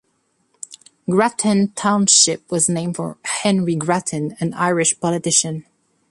Grattan Township was named for Henry Grattan, an Irish politician.